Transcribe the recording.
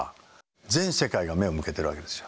全世界が目を向けているわけですよ。